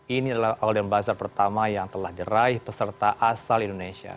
ini adalah golden buzzer pertama yang telah jeraih peserta asal indonesia